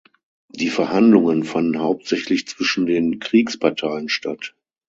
Die Verhandlungen fanden hauptsächlich zwischen den Kriegsparteien statt.